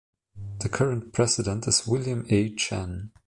The current President is William A. Chen.